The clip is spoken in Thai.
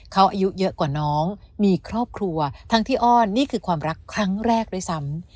เขาอายุเยอะกว่าน้องมีครอบครัวทั้งที่อ้อนนี่คือความรักครั้งแรกด้วยซ้ำ